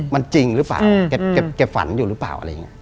มันจริงหรือเปล่าแกฝันอยู่หรือเปล่าอะไรอย่างนี้